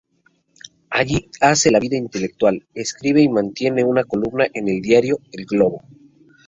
Allí hace vida intelectual, escribe y mantiene una columna en el diario "El Globo".